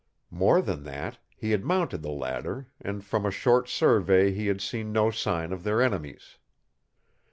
More than that, he had mounted the ladder, and from a short survey he had seen no sign of their enemies.